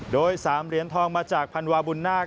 โดย๓เหรียญทองมาจากพันวาบุญนาค